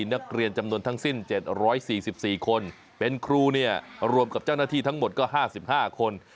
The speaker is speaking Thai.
นักเรียนจำนวนทั้งสิ้น๗๔๔คนเป็นครูเนี่ยรวมกับเจ้าหน้าที่ทั้งหมดก็๕๕คน